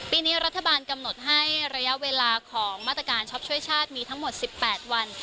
ปีนี้รัฐบาลกำหนดให้ระยะเวลาของมาตรการช็อปช่วยชาติมีทั้งหมด๑๘วัน